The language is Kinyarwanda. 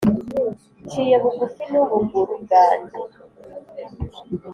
Nciye bugufi n’ubuguru bwange,